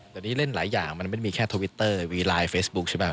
แต่นี่เล่นหลายอย่างมันไม่มีแค่ทวิตเตอร์มีไลน์เฟซบุ๊คใช่ไหม